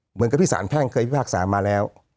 เหมือนกับที่สารแพ่งเคยพิพากษามาแล้ว